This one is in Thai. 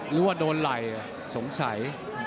หรือว่าโดนไหล่สงสัย